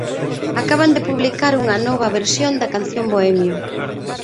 Acaban de publicar unha nova versión da canción Bohemio.